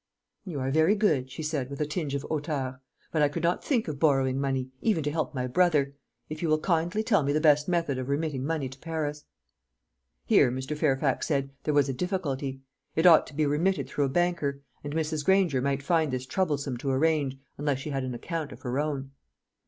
"You are very good," she said, with a tinge of hauteur, "but I could not think of borrowing money, even to help my brother. If you will kindly tell me the best method of remitting money to Paris." Here, Mr. Fairfax said, there was a difficulty; it ought to be remitted through a banker, and Mrs. Granger might find this troublesome to arrange, unless she had an account of her own.